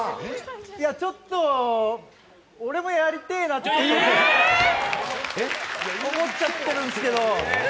ちょっと、俺もやりてぇなと思っちゃってるんですけど。